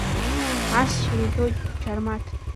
Ассир уҳәоит, Џьармаҭ!